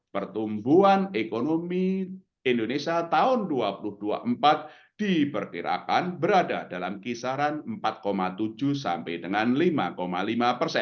pertumbuhan ekonomi indonesia tahun dua ribu dua puluh empat diperkirakan berada dalam kisaran empat tujuh sampai dengan lima lima persen